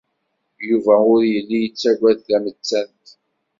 Yuba ur yelli yettaggad tamettant.